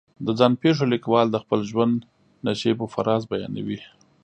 د ځان پېښو لیکوال د خپل ژوند نشیب و فراز بیانوي.